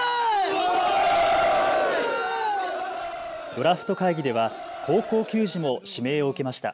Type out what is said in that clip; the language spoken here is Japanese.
ドラフト会議では高校球児も指名を受けました。